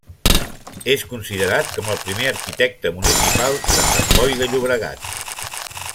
És considerat com el primer arquitecte municipal de Sant Boi de Llobregat.